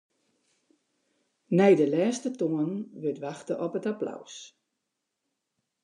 Nei de lêste toanen wurdt wachte op it applaus.